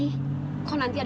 itu bukan ihsan